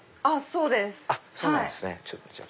そうなんですね。